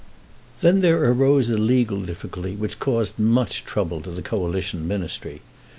Then there arose a legal difficulty, which caused much trouble to the Coalition Ministry.